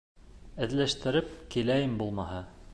Эҙләштереп киләйем, булмаһа.